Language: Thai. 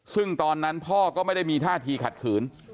ซึ่งตอนนั้นพ่อก็ไม่ได้มีท่าทีขัดขืน